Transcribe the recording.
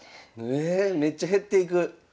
えめっちゃ減っていく。